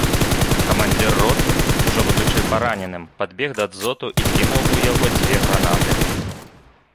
Камандзір роты, ужо будучы параненым, падбег да дзоту, і кінуў у яго дзве гранаты.